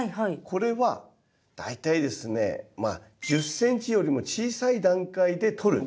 これは大体ですね１０ｃｍよりも小さい段階で取る。